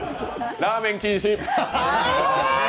ラーメン禁止。